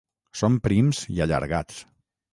Són prims i allargats.